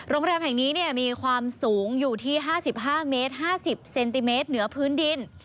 โรงแรมแห่งนี้มีความสูงอยู่ที่๕๕เมตร๕๐เซนติเมตรเหนือพื้นดิน